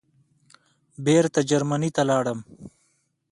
بېرته جرمني ته ولاړم.